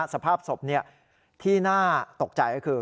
สภาพศพที่น่าตกใจก็คือ